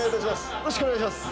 よろしくお願いします！